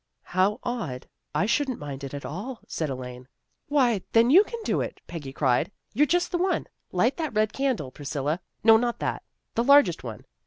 "How odd! I shouldn't mind it at all," said Elaine. " Why, then you can do it," Peggy cried. " You're just the one. Light that red candle, Priscilla. No, not that. The largest one.